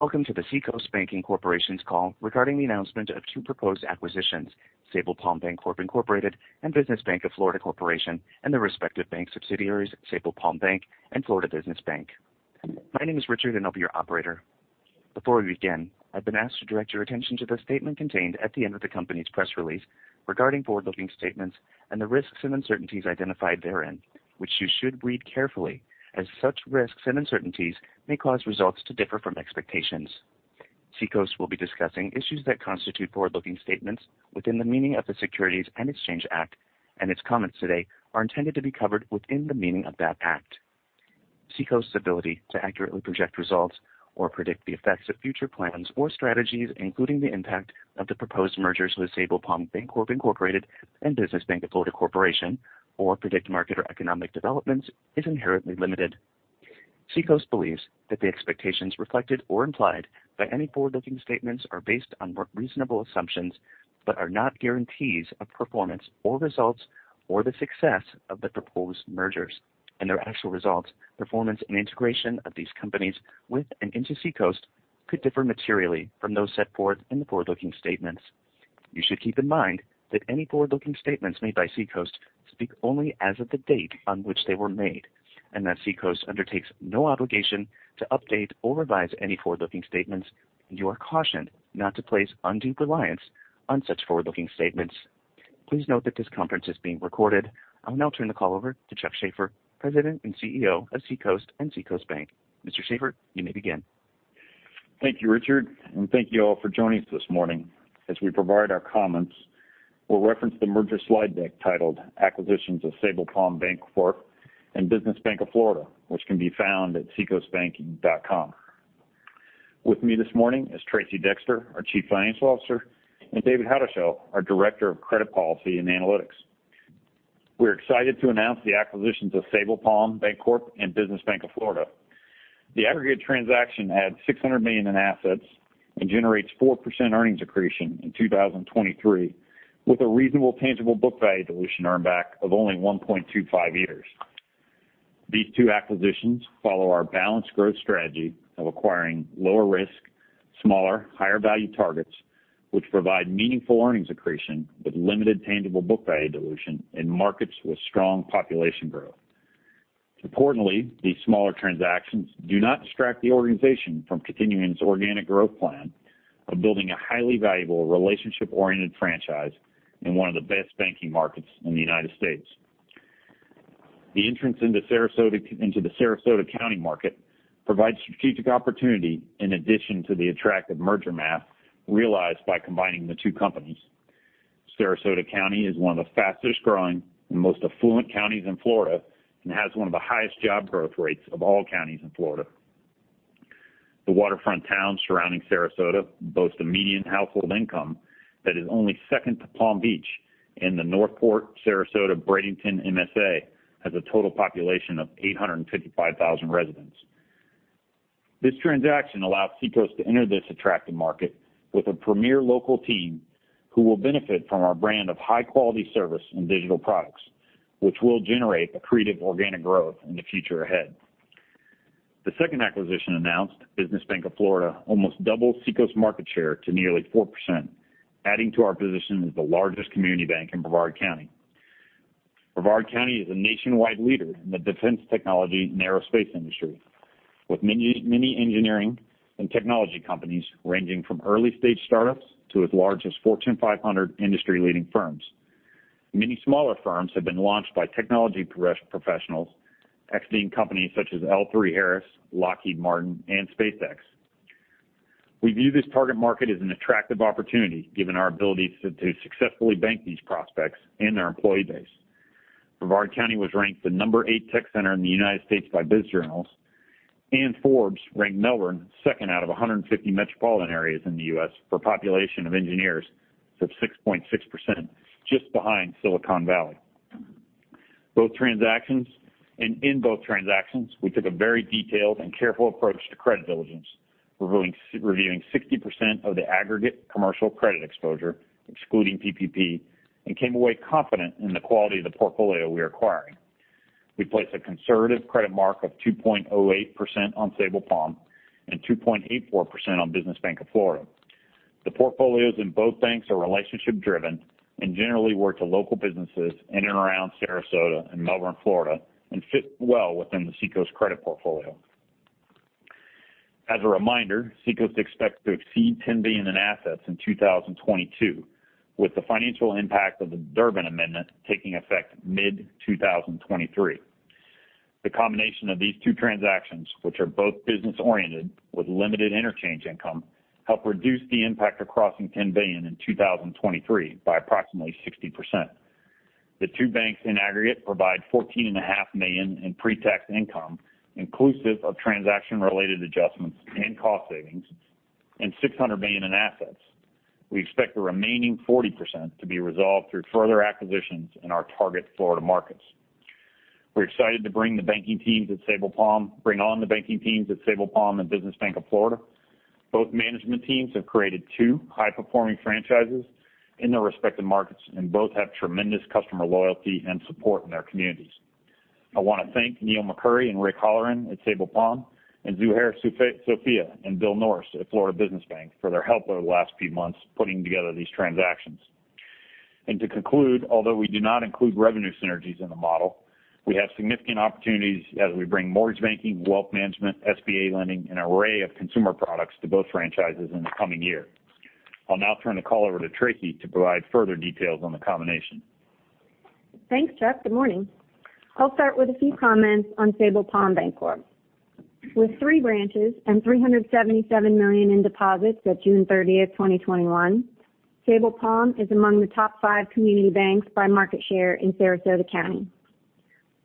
Welcome to the Seacoast Banking Corporation's call regarding the announcement of two proposed acquisitions, Sabal Palm Bancorp, Inc and Business Bank of Florida, Corp and their respective bank subsidiaries, Sabal Palm Bank and Florida Business Bank. My name is Richard and I'll be your operator. Before we begin, I've been asked to direct your attention to the statement contained at the end of the company's press release regarding forward-looking statements and the risks and uncertainties identified therein, which you should read carefully as such risks and uncertainties may cause results to differ from expectations. Seacoast will be discussing issues that constitute forward-looking statements within the meaning of the Securities Exchange Act, and its comments today are intended to be covered within the meaning of that act. Seacoast's ability to accurately project results or predict the effects of future plans or strategies, including the impact of the proposed mergers with Sabal Palm Bancorp, Inc and Business Bank of Florida, Corp, or predict market or economic developments, is inherently limited. Seacoast believes that the expectations reflected or implied by any forward-looking statements are based on reasonable assumptions, but are not guarantees of performance or results or the success of the proposed mergers and their actual results, performance, and integration of these companies with and into Seacoast could differ materially from those set forth in the forward-looking statements. You should keep in mind that any forward-looking statements made by Seacoast speak only as of the date on which they were made, and that Seacoast undertakes no obligation to update or revise any forward-looking statements, and you are cautioned not to place undue reliance on such forward-looking statements. Please note that this conference is being recorded. I will now turn the call over to Chuck Shaffer, President and CEO of Seacoast and Seacoast Bank. Mr. Shaffer, you may begin. Thank you, Richard, and thank you all for joining us this morning. As we provide our comments, we'll reference the merger slide deck titled Acquisitions of Sabal Palm Bancorp and Business Bank of Florida, which can be found at seacoastbanking.com. With me this morning is Tracey Dexter, our Chief Financial Officer, and David Houdeshell, our Director of Credit Policy and Analytics. We're excited to announce the acquisitions of Sabal Palm Bancorp and Business Bank of Florida. The aggregate transaction adds $600 million in assets and generates 4% earnings accretion in 2023 with a reasonable tangible book value dilution earn back of only 1.25 years. These two acquisitions follow our balanced growth strategy of acquiring lower risk, smaller, higher value targets, which provide meaningful earnings accretion with limited tangible book value dilution in markets with strong population growth. Importantly, these smaller transactions do not distract the organization from continuing its organic growth plan of building a highly valuable relationship-oriented franchise in one of the best banking markets in the United States. The entrance into the Sarasota County market provides strategic opportunity in addition to the attractive merger math realized by combining the two companies. Sarasota County is one of the fastest growing and most affluent counties in Florida and has one of the highest job growth rates of all counties in Florida. The waterfront towns surrounding Sarasota boast a median household income that is only second to Palm Beach, and the North Port Sarasota-Bradenton MSA has a total population of 855,000 residents. This transaction allows Seacoast to enter this attractive market with a premier local team who will benefit from our brand of high-quality service and digital products, which will generate accretive organic growth in the future ahead. The second acquisition announced, Business Bank of Florida, almost doubles Seacoast market share to nearly 4%, adding to our position as the largest community bank in Brevard County. Brevard County is a nationwide leader in the defense technology and aerospace industry, with many engineering and technology companies ranging from early-stage startups to as large as Fortune 500 industry-leading firms. Many smaller firms have been launched by technology professionals exiting companies such as L3Harris, Lockheed Martin, and SpaceX. We view this target market as an attractive opportunity given our ability to successfully bank these prospects and their employee base. Brevard County was ranked the number eight tech center in the U.S. by BizJournals. Forbes ranked Melbourne second out of 150 metropolitan areas in the U.S. for population of engineers of 6.6%, just behind Silicon Valley. In both transactions, we took a very detailed and careful approach to credit diligence, reviewing 60% of the aggregate commercial credit exposure, excluding PPP, and came away confident in the quality of the portfolio we are acquiring. We place a conservative credit mark of 2.08% on Sabal Palm and 2.84% on Business Bank of Florida. The portfolios in both banks are relationship-driven and generally were to local businesses in and around Sarasota and Melbourne, Florida, and fit well within the Seacoast credit portfolio. As a reminder, Seacoast expects to exceed $10 billion in assets in 2022, with the financial impact of the Durbin Amendment taking effect mid-2023. The combination of these two transactions, which are both business-oriented with limited interchange income, help reduce the impact of crossing $10 billion in 2023 by approximately 60%. The two banks in aggregate provide $14.5 million in pre-tax income, inclusive of transaction-related adjustments and cost savings and $600 million in assets. We expect the remaining 40% to be resolved through further acquisitions in our target Florida markets. We're excited to bring on the banking teams at Sabal Palm and Business Bank of Florida. Both management teams have created two high-performing franchises in their respective markets, and both have tremendous customer loyalty and support in their communities. I want to thank Neil McCurry and Rick Holleran at Sabal Palm, and Zuheir Sofia and Bill Norris at Florida Business Bank for their help over the last few months putting together these transactions. To conclude, although we do not include revenue synergies in the model, we have significant opportunities as we bring mortgage banking, wealth management, SBA lending, and array of consumer products to both franchises in the coming year. I'll now turn the call over to Tracey to provide further details on the combination. Thanks, Chuck. Good morning. I'll start with a few comments on Sabal Palm Bancorp. With three branches and $377 million in deposits at June 30th, 2021, Sabal Palm is among the top five community banks by market share in Sarasota County.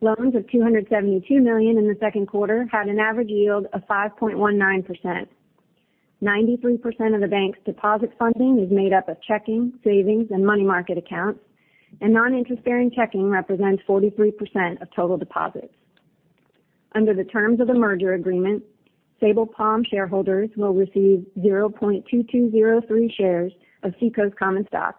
Loans of $272 million in the second quarter had an average yield of 5.19%. 93% of the bank's deposit funding is made up of checking, savings, and money market accounts, and non-interest-bearing checking represents 43% of total deposits. Under the terms of the merger agreement, Sabal Palm shareholders will receive 0.2203 shares of Seacoast common stock.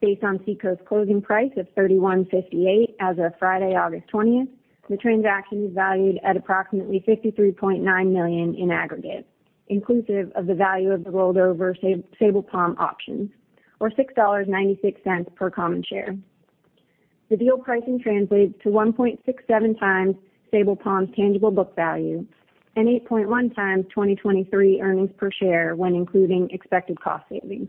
Based on Seacoast closing price of $31.58 as of Friday, August 20th, the transaction is valued at approximately $53.9 million in aggregate, inclusive of the value of the rolled over Sabal Palm options, or $6.96 per common share. The deal pricing translates to 1.67x Sabal Palm's tangible book value and 8.1x 2023 earnings per share when including expected cost savings.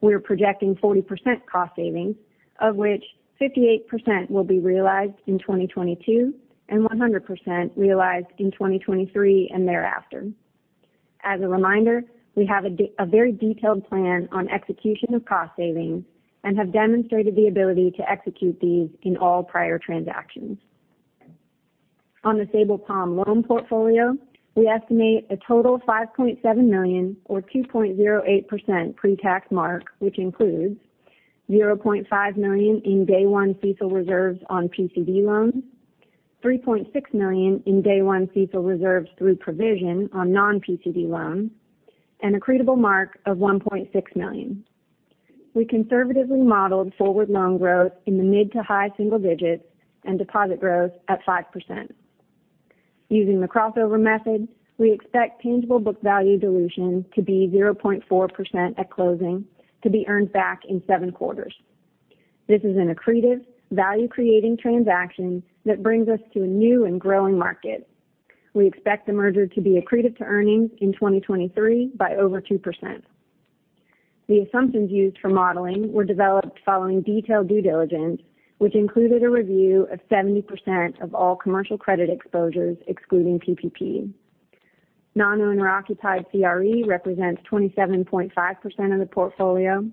We are projecting 40% cost savings, of which 58% will be realized in 2022 and 100% realized in 2023 and thereafter. As a reminder, we have a very detailed plan on execution of cost savings and have demonstrated the ability to execute these in all prior transactions. On the Sabal Palm loan portfolio, we estimate a total of $5.7 million or 2.08% pre-tax mark, which includes $0.5 million in day one CECL reserves on PCD loans, $3.6 million in day one CECL reserves through provision on non-PCD loans, and accretable mark of $1.6 million. We conservatively modeled forward loan growth in the mid to high single digits and deposit growth at 5%. Using the crossover method, we expect tangible book value dilution to be 0.4% at closing to be earned back in seven quarters. This is an accretive, value-creating transaction that brings us to a new and growing market. We expect the merger to be accretive to earnings in 2023 by over 2%. The assumptions used for modeling were developed following detailed due diligence, which included a review of 70% of all commercial credit exposures excluding PPP. Non-owner-occupied CRE represents 27.5% of the portfolio,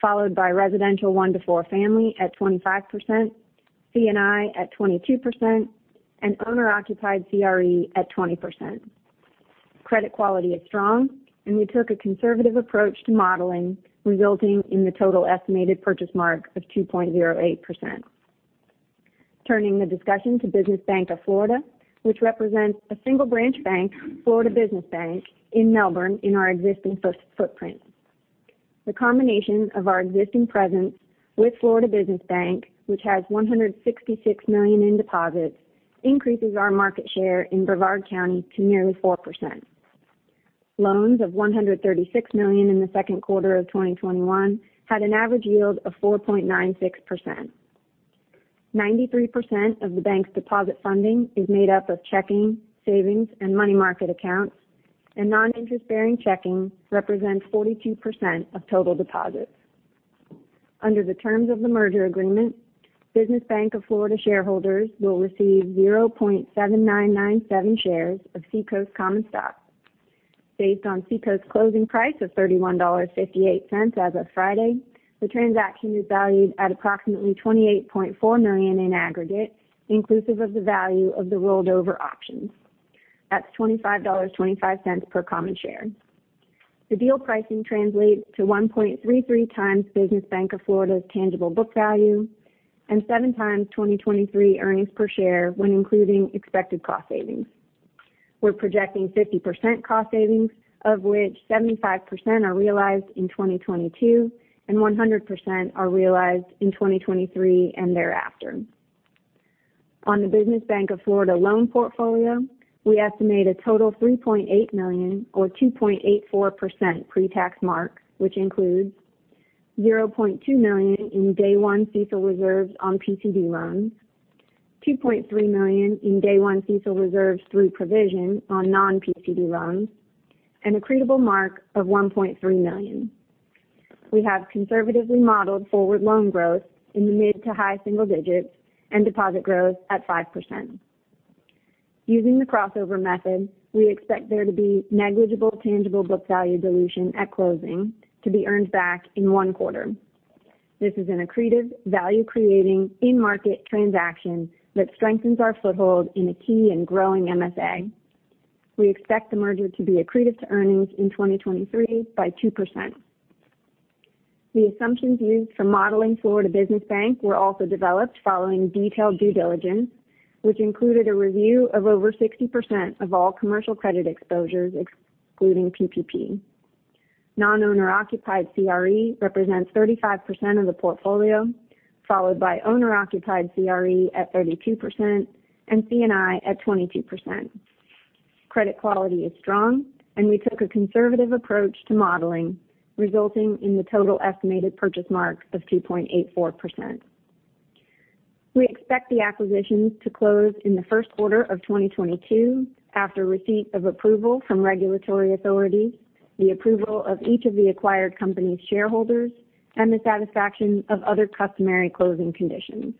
followed by residential one to four family at 25%, C&I at 22%, and owner-occupied CRE at 20%. Credit quality is strong, and we took a conservative approach to modeling, resulting in the total estimated purchase mark of 2.08%. Turning the discussion to Business Bank of Florida, which represents a single branch bank, Florida Business Bank, in Melbourne in our existing footprint. The combination of our existing presence with Florida Business Bank, which has $166 million in deposits, increases our market share in Brevard County to nearly 4%. Loans of $136 million in the second quarter of 2021 had an average yield of 4.96%. 93% of the bank's deposit funding is made up of checking, savings, and money market accounts, and non-interest-bearing checking represents 42% of total deposits. Under the terms of the merger agreement, Business Bank of Florida shareholders will receive 0.7997 shares of Seacoast common stock. Based on Seacoast closing price of $31.58 as of Friday, the transaction is valued at approximately $28.4 million in aggregate, inclusive of the value of the rolled over options. That's $25.25 per common share. The deal pricing translates to 1.33x Business Bank of Florida's tangible book value and 7x 2023 earnings per share when including expected cost savings. We're projecting 50% cost savings, of which 75% are realized in 2022 and 100% are realized in 2023 and thereafter. On the Business Bank of Florida loan portfolio, we estimate a total of $3.8 million or 2.84% pre-tax mark, which includes $0.2 million in day one CECL reserves on PCD loans, $2.3 million in day one CECL reserves through provision on non-PCD loans, and accretable mark of $1.3 million. We have conservatively modeled forward loan growth in the mid to high single digits and deposit growth at 5%. Using the crossover method, we expect there to be negligible tangible book value dilution at closing to be earned back in one quarter. This is an accretive, value-creating, in-market transaction that strengthens our foothold in a key and growing MSA. We expect the merger to be accretive to earnings in 2023 by 2%. The assumptions used for modeling Florida Business Bank were also developed following detailed due diligence, which included a review of over 60% of all commercial credit exposures excluding PPP. Non-owner-occupied CRE represents 35% of the portfolio, followed by owner-occupied CRE at 32%, and C&I at 22%. Credit quality is strong, and we took a conservative approach to modeling, resulting in the total estimated purchase mark of 2.84%. We expect the acquisitions to close in the first quarter of 2022, after receipt of approval from regulatory authorities, the approval of each of the acquired company's shareholders, and the satisfaction of other customary closing conditions.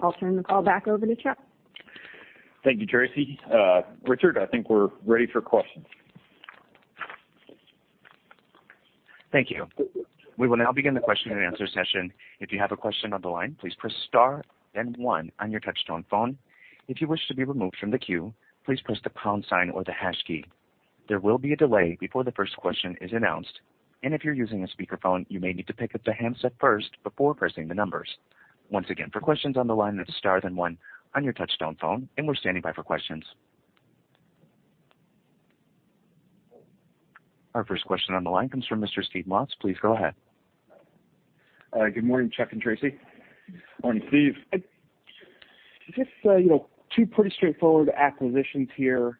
I'll turn the call back over to Chuck. Thank you, Tracey. Richard, I think we're ready for questions. Thank you. We will now begin the question and answer session. If you have a question on the line, please press star, then one on your touch-tone phone. If you wish to be removed from the queue, please press the pound sign or the hash key. There will be a delay before the first question is announced, and if you're using a speakerphone, you may need to pick up the handset first before pressing the numbers. Once again, for questions on the line, it's star, then one on your touch-tone phone, and we're standing by for questions. Our first question on the line comes from Mr. Steve Moss. Please go ahead. Good morning, Chuck and Tracey. Morning, Steve. Just two pretty straightforward acquisitions here.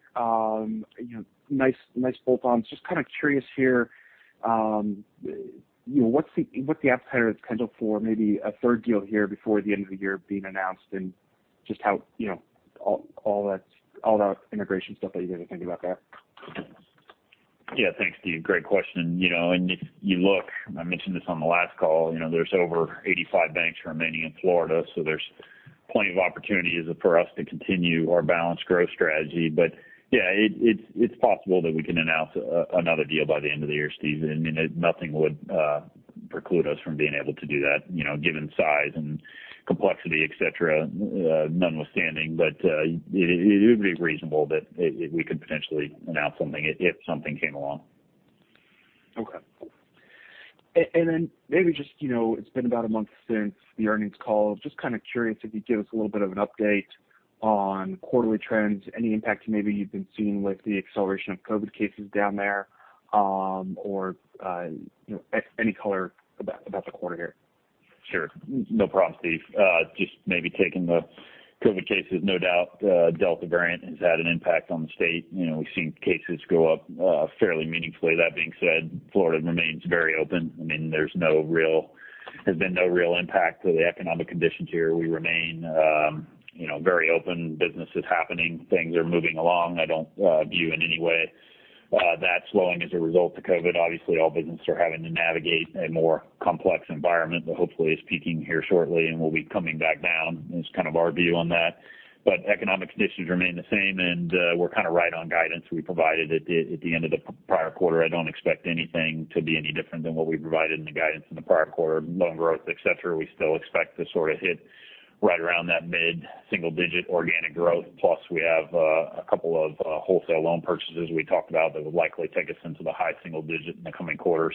Nice bolt-ons. Just kind of curious here, what's the appetite or the schedule for maybe a third deal here before the end of the year being announced and just all that integration stuff that you guys are thinking about there? Yeah. Thanks, Steve. Great question. If you look, I mentioned this on the last call there's over 85 banks remaining in Florida, so there's plenty of opportunities for us to continue our balanced growth strategy. Yeah, it's possible that we can announce another deal by the end of the year, Steve. Nothing would preclude us from being able to do that given size and complexity, et cetera, notwithstanding. It would be reasonable that we could potentially announce something if something came along. Okay. Maybe just, it's been about a month since the earnings call. Just kind of curious if you could give us a little bit of an update on quarterly trends, any impact maybe you've been seeing with the acceleration of COVID cases down there, or any color about the quarter here. Sure. No problem, Steve. Just maybe taking the COVID cases, no doubt, Delta variant has had an impact on the state. We've seen cases go up fairly meaningfully. That being said, Florida remains very open. There's been no real impact to the economic conditions here. We remain very open. Business is happening. Things are moving along. I don't view in any way that slowing as a result to COVID. Obviously, all businesses are having to navigate a more complex environment that hopefully is peaking here shortly and will be coming back down is kind of our view on that. Economic conditions remain the same, and we're kind of right on guidance we provided at the end of the prior quarter. I don't expect anything to be any different than what we provided in the guidance in the prior quarter. Loan growth, et cetera, we still expect to sort of hit right around that mid-single-digit organic growth. We have a couple of wholesale loan purchases we talked about that would likely take us into the high single digit in the coming quarter.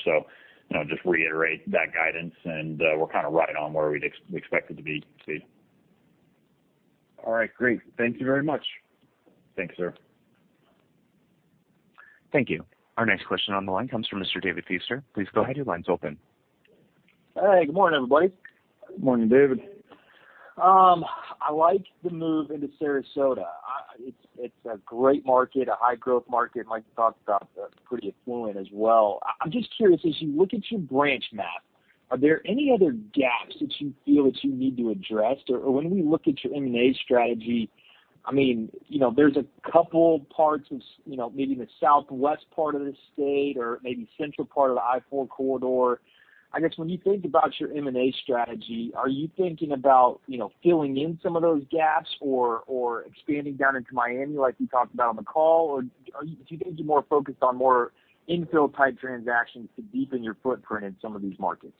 Just reiterate that guidance, and we're kind of right on where we'd expect it to be, Steve. All right. Great. Thank you very much. Thanks, sir. Thank you. Our next question on the line comes from Mr. David Feaster. Please go ahead. Your line's open. Hey, good morning, everybody. Good morning, David. I like the move into Sarasota. It's a great market, a high-growth market, and like you talked about, pretty affluent as well. I'm just curious, as you look at your branch map, are there any other gaps that you feel that you need to address? When we look at your M&A strategy, there's a couple parts of maybe the southwest part of the state or maybe central part of the I-4 corridor. I guess when you think about your M&A strategy, are you thinking about filling in some of those gaps or expanding down into Miami like you talked about on the call? Do you think you're more focused on more infill-type transactions to deepen your footprint in some of these markets?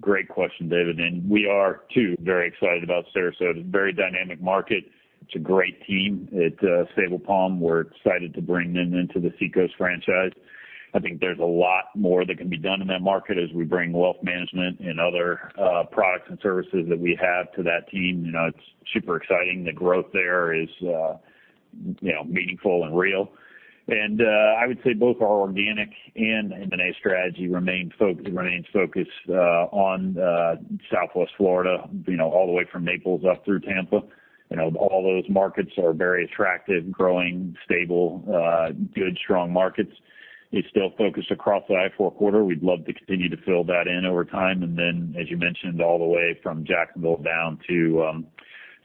Great question, David. We are too very excited about Sarasota. Very dynamic market. It's a great team at Sabal Palm. We're excited to bring them into the Seacoast franchise. I think there's a lot more that can be done in that market as we bring wealth management and other products and services that we have to that team. It's super exciting. The growth there is meaningful and real. I would say both our organic and M&A strategy remains focused on Southwest Florida all the way from Naples up through Tampa. All those markets are very attractive, growing, stable, good, strong markets. It's still focused across the I-4 corridor. We'd love to continue to fill that in over time. Then, as you mentioned, all the way from Jacksonville down to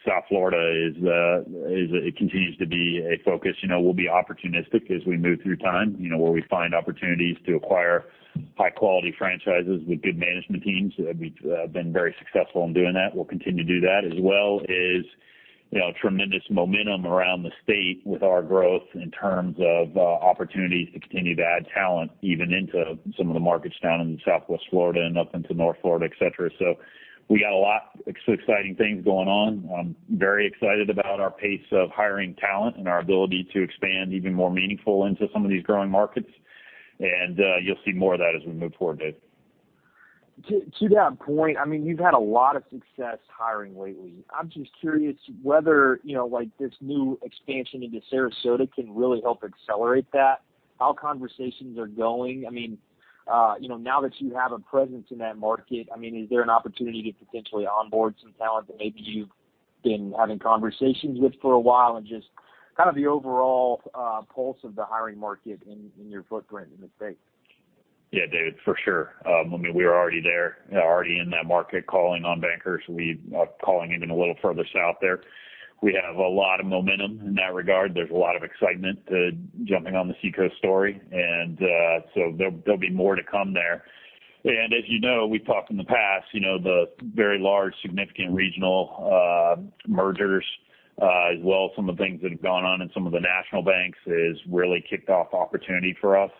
South Florida, it continues to be a focus. We'll be opportunistic as we move through time where we find opportunities to acquire high-quality franchises with good management teams. We've been very successful in doing that. We'll continue to do that as well as tremendous momentum around the state with our growth in terms of opportunities to continue to add talent even into some of the markets down in Southwest Florida and up into North Florida, et cetera. We got a lot of exciting things going on. I'm very excited about our pace of hiring talent and our ability to expand even more meaningful into some of these growing markets. You'll see more of that as we move forward, Dave. To that point, you've had a lot of success hiring lately. I'm just curious whether this new expansion into Sarasota can really help accelerate that, how conversations are going. Now that you have a presence in that market, is there an opportunity to potentially onboard some talent that maybe you've been having conversations with for a while? Just kind of the overall pulse of the hiring market in your footprint in the state? Yeah, David, for sure. We were already there, already in that market calling on bankers. We are calling even a little further south there. We have a lot of momentum in that regard. There's a lot of excitement to jumping on the Seacoast story. There'll be more to come there. As you know, we've talked in the past, the very large, significant regional mergers, as well as some of the things that have gone on in some of the national banks has really kicked off opportunity for us.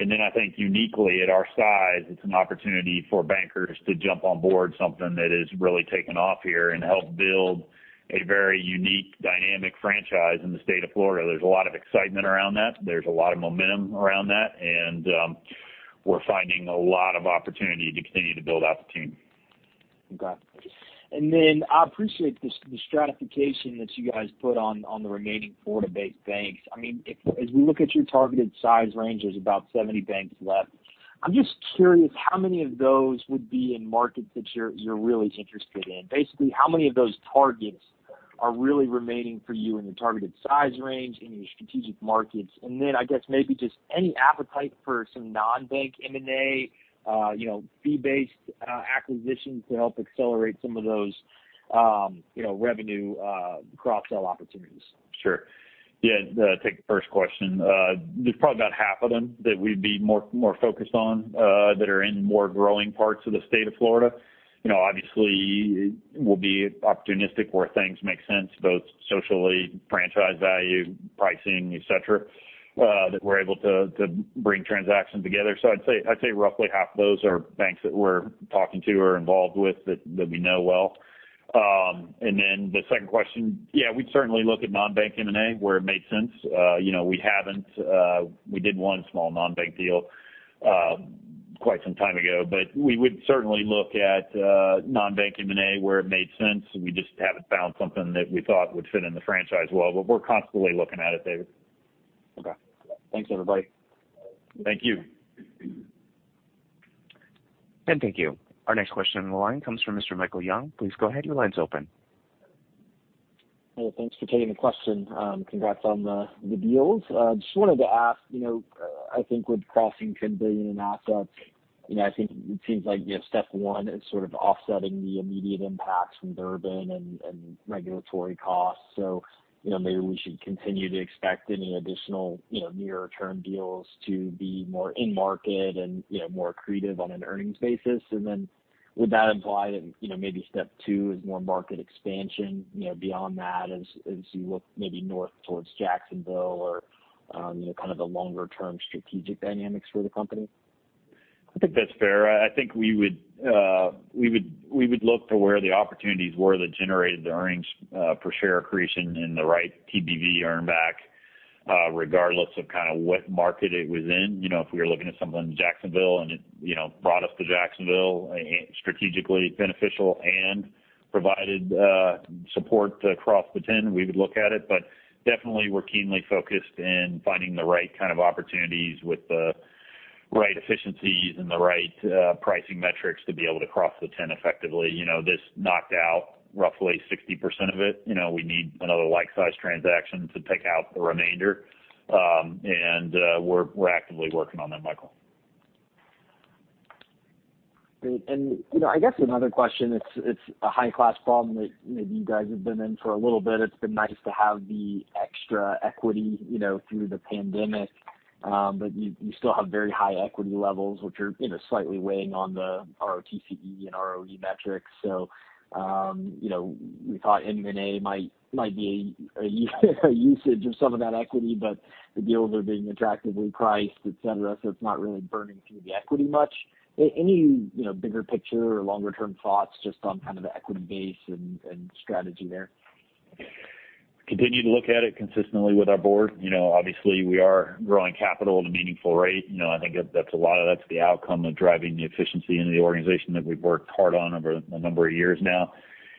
I think uniquely at our size, it's an opportunity for bankers to jump on board something that has really taken off here and help build a very unique, dynamic franchise in the state of Florida. There's a lot of excitement around that. There's a lot of momentum around that. We're finding a lot of opportunity to continue to build out the team. Got it. I appreciate the stratification that you guys put on the remaining Florida-based banks. As we look at your targeted size range, there's about 70 banks left. I'm just curious how many of those would be in markets that you're really interested in. How many of those targets are really remaining for you in the targeted size range, in your strategic markets? I guess maybe just any appetite for some non-bank M&A, fee-based acquisitions to help accelerate some of those revenue cross-sell opportunities. Sure. Yeah, take the first question. There's probably about half of them that we'd be more focused on that are in more growing parts of the state of Florida. Obviously, we'll be opportunistic where things make sense, both socially, franchise value, pricing, et cetera, that we're able to bring transactions together. I'd say roughly half of those are banks that we're talking to or involved with that we know well. The second question, yeah, we'd certainly look at non-bank M&A where it made sense. We did one small non-bank deal quite some time ago. We would certainly look at non-bank M&A where it made sense. We just haven't found something that we thought would fit in the franchise well. We're constantly looking at it, David. Okay. Thanks, everybody. Thank you. Thank you. Our next question on the line comes from Mr. Michael Young. Please go ahead. Your line's open. Hey, thanks for taking the question. Congrats on the deals. Just wanted to ask, I think with crossing $10 billion in assets, I think it seems like step one is sort of offsetting the immediate impacts from Durbin and regulatory costs. Maybe we should continue to expect any additional nearer term deals to be more in market and more accretive on an earnings basis. Would that imply that maybe step two is more market expansion beyond that as you look maybe north towards Jacksonville or kind of the longer-term strategic dynamics for the company? I think that's fair. I think we would look for where the opportunities were that generated the earnings per share accretion and the right TBV earn back, regardless of what market it was in. If we were looking at something in Jacksonville and it brought us to Jacksonville, strategically beneficial and provided support to cross the 10, we would look at it. Definitely, we're keenly focused in finding the right kind of opportunities with the right efficiencies and the right pricing metrics to be able to cross the 10 effectively. This knocked out roughly 60% of it. We need another like-sized transaction to take out the remainder. We're actively working on that, Michael. Great. I guess another question, it's a high-class problem that maybe you guys have been in for a little bit. It's been nice to have the extra equity through the pandemic. You still have very high equity levels, which are slightly weighing on the ROTCE and ROE metrics. We thought M&A might be a usage of some of that equity, but the deals are being attractively priced, et cetera, so it's not really burning through the equity much. Any bigger picture or longer-term thoughts just on kind of the equity base and strategy there? Continue to look at it consistently with our board. Obviously, we are growing capital at a meaningful rate. I think a lot of that's the outcome of driving the efficiency into the organization that we've worked hard on over a number of years now.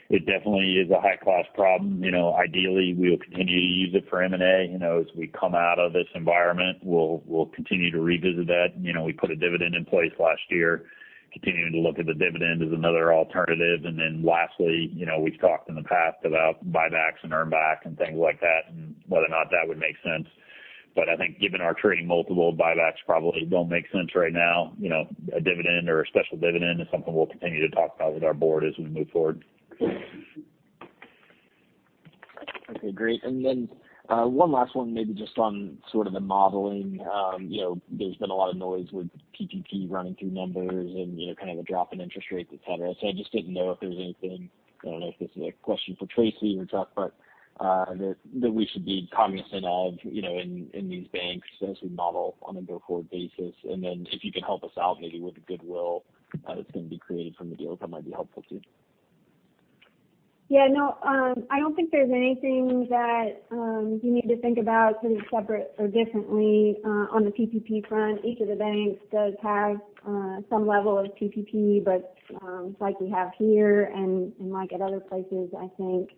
It definitely is a high-class problem. Ideally, we'll continue to use it for M&A. As we come out of this environment, we'll continue to revisit that. We put a dividend in place last year, continuing to look at the dividend as another alternative. Lastly, we've talked in the past about buybacks and earn back and things like that, and whether or not that would make sense. I think given our trading multiple, buybacks probably don't make sense right now. A dividend or a special dividend is something we'll continue to talk about with our board as we move forward. Okay, great. One last one, maybe just on sort of the modeling. There's been a lot of noise with PPP running through numbers and kind of a drop in interest rates, et cetera. I just didn't know if there was anything, I don't know if this is a question for Tracey or Chuck, but that we should be cognizant of in these banks as we model on a go-forward basis. If you can help us out maybe with the goodwill that's going to be created from the deal, that might be helpful too. Yeah, no, I don't think there's anything that you need to think about separate or differently on the PPP front. Each of the banks does have some level of PPP, but like we have here and like at other places, I think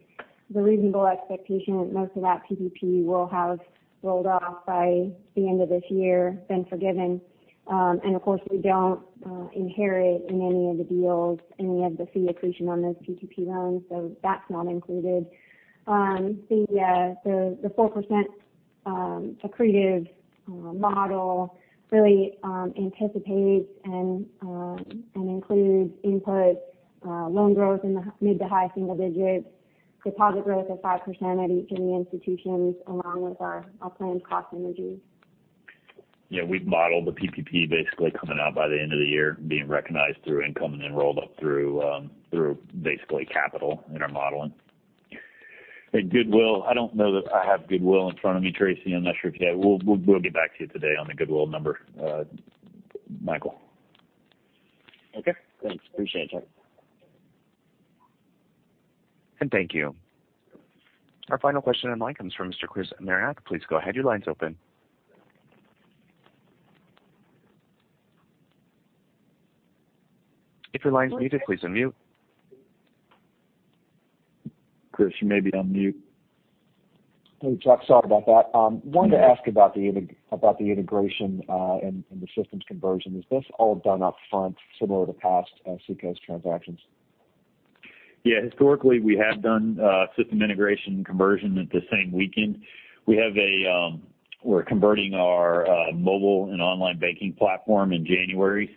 the reasonable expectation is most of that PPP will have rolled off by the end of this year, been forgiven. Of course, we don't inherit in any of the deals any of the fee accretion on those PPP loans, so that's not included. The 4% accretive model really anticipates and includes input loan growth in the mid to high single digits, deposit growth of 5% at each of the institutions, along with our planned cost synergies. Yeah. We've modeled the PPP basically coming out by the end of the year, being recognized through income and then rolled up through basically capital in our modeling. Goodwill, I don't know that I have goodwill in front of me, Tracey. I'm not sure if you have. We'll get back to you today on the goodwill number, Michael. Okay. Thanks. Appreciate it. Thank you. Our final question in line comes from Mr. Chris Marinac. Please go ahead, your line's open. If your line's muted, please unmute. Chris, you may be on mute. Hey, Chuck, sorry about that. I wanted to ask about the integration and the systems conversion. Is this all done upfront, similar to past Seacoast transactions? Historically, we have done system integration conversion at the same weekend. We're converting our mobile and online banking platform in January,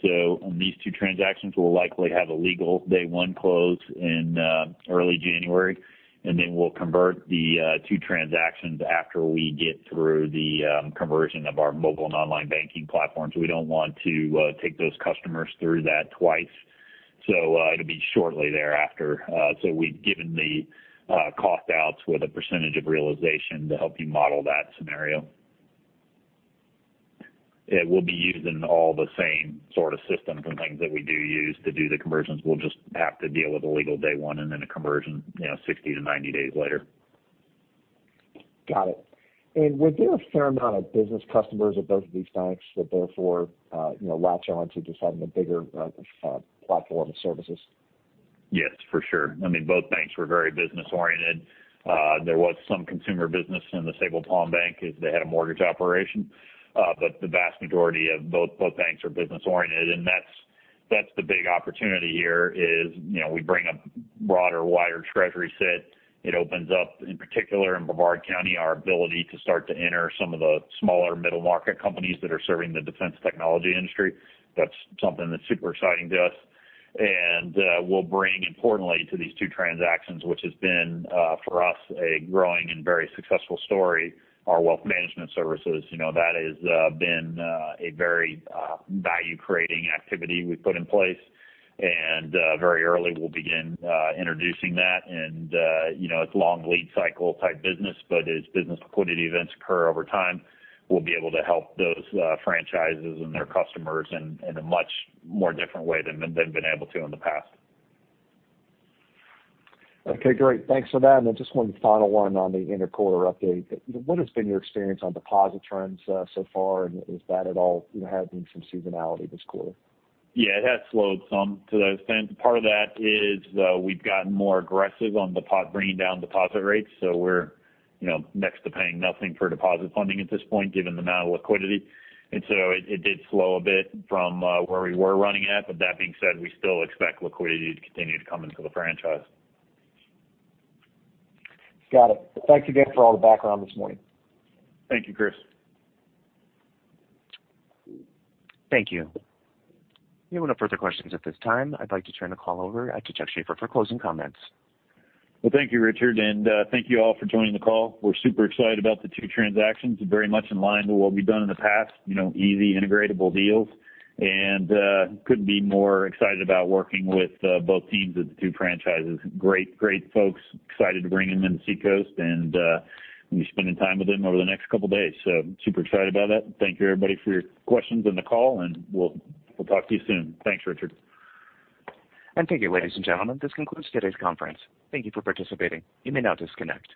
these two transactions will likely have a legal day one close in early January, and then we'll convert the two transactions after we get through the conversion of our mobile and online banking platform. We don't want to take those customers through that twice. It'll be shortly thereafter. We've given the cost outs with a percentage of realization to help you model that scenario. We'll be using all the same sort of systems and things that we do use to do the conversions. We'll just have to deal with a legal day one and then a conversion 60 to 90 days later. Got it. Were there a fair amount of business customers at both of these banks that therefore latch on to just having a bigger platform of services? Yes, for sure. Both banks were very business-oriented. There was some consumer business in the Sabal Palm Bank as they had a mortgage operation. The vast majority of both banks are business-oriented, and that's the big opportunity here is, we bring a broader, wider treasury set. It opens up, in particular in Brevard County, our ability to start to enter some of the smaller middle-market companies that are serving the defense technology industry. That's something that's super exciting to us. We'll bring, importantly to these two transactions, which has been for us a growing and very successful story, our wealth management services. That has been a very value-creating activity we've put in place. Very early, we'll begin introducing that. It's long lead cycle type business, but as business liquidity events occur over time, we'll be able to help those franchises and their customers in a much more different way than we've been able to in the past. Okay, great. Thanks for that. Just one final one on the inter-quarter update. What has been your experience on deposit trends so far, and is that at all having some seasonality this quarter? Yeah, it has slowed some to extent. Part of that is we've gotten more aggressive on bringing down deposit rates, so we're next to paying nothing for deposit funding at this point, given the amount of liquidity. It did slow a bit from where we were running at. That being said, we still expect liquidity to continue to come into the franchise. Got it. Thanks again for all the background this morning. Thank you, Chris. Thank you. We have no further questions at this time. I'd like to turn the call over to Chuck Shaffer for closing comments. Thank you, Richard, and thank you all for joining the call. We're super excited about the two transactions. Very much in line with what we've done in the past. Easy integratable deals. Couldn't be more excited about working with both teams at the two franchises. Great folks. Excited to bring them into Seacoast and will be spending time with them over the next couple days. Super excited about that. Thank you everybody for your questions and the call, and we'll talk to you soon. Thanks, Richard. And thank you, ladies and gentlemen. This concludes today's conference. Thank you for participating. You may now disconnect.